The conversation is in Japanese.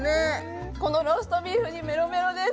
このローストビーフにめろめろです。